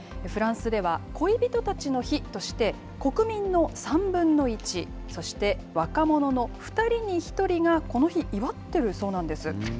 フランスでは、恋人たちの日として、国民の３分の１、そして、若者の２人に１人がこの日、祝ってるそうなんです。